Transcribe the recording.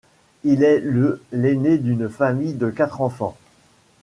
Il est le l’aîné d’une famille de quatre enfants.